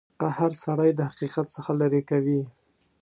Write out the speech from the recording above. قهر سړی د حقیقت څخه لرې کوي.